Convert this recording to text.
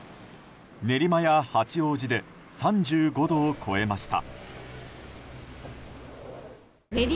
練馬や八王子で３５度を超えました。